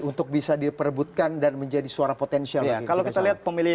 untuk bisa diperbaiki